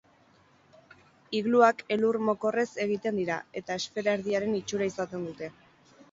Igluak elur-mokorrez egiten dira, eta esfera-erdiaren itxura izaten dute.